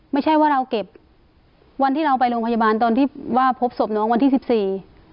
ไม่ใช่ว่าเราเก็บวันที่เราไปโรงพยาบาลตอนที่ว่าพบศพน้องวันที่สิบสี่